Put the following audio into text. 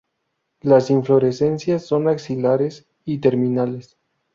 Las inflorescencias son axilares y terminales.